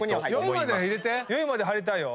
４位までに入りたいよ。